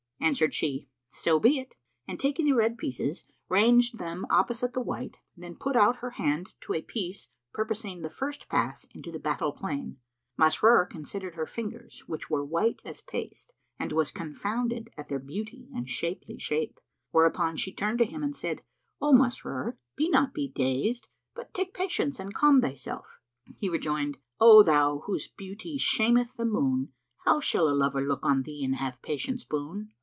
Answered she, "So be it;" and, taking the red pieces, ranged them opposite the white, then put out her hand to a piece purposing the first pass into the battle plain. Masrur considered her fingers, which were white as paste, and was confounded at their beauty and shapely shape; whereupon she turned to him and said, "O Masrur, be not bedazed, but take patience and calm thyself." He rejoined, "O thou whose beauty shameth the moon, how shall a lover look on thee and have patience boon?"